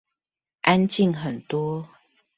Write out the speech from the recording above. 安靜很多